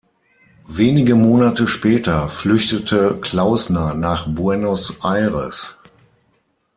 Wenige Monate später flüchtete Klausner nach Buenos Aires.